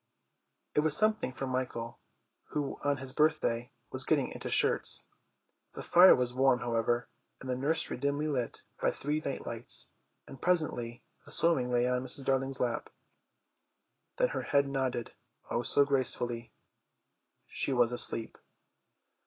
It was something for Michael, who on his birthday was getting into shirts. The fire was warm, however, and the nursery dimly lit by three night lights, and presently the sewing lay on Mrs. Darling's lap. Then her head nodded, oh, so gracefully. She was asleep.